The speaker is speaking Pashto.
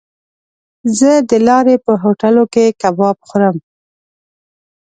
زه د لارې په هوټلو کې کباب خورم.